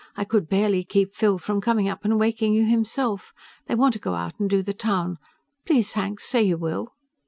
I could barely keep Phil from coming up and waking you himself. They want to go out and do the town. Please, Hank, say you will."